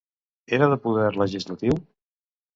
Era de poder legislatiu?